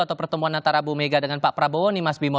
atau pertemuan antara bu mega dengan pak prabowo nih mas bimo